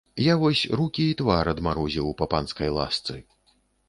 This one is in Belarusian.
Я вось рукі і твар адмарозіў па панскай ласцы.